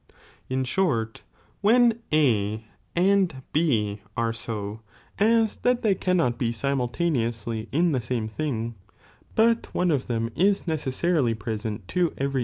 In short, when A and B are so, as that tbey s. Rtiitin cannot be simultaneously in the same Ihiiig, but ^Jt3"™"t one of them is necessarily present to every indi "in am.